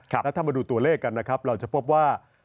แล้วถ้ามาดูตัวเลขกันนะครับเราจะพบว่า